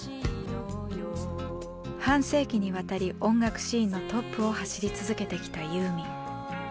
半世紀にわたり音楽シーンのトップを走り続けてきたユーミン。